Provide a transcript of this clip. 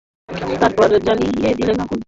তারপর জ্বালিয়ে দিলেন আগুন।